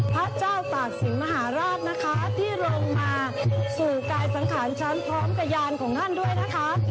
พระเจ้าตากศิลปมหาราชนะคะที่ลงมาสู่กายสังขารฉันพร้อมกระยานของท่านด้วยนะคะ